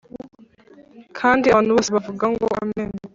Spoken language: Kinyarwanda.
Kandi abantu bose bavugango amen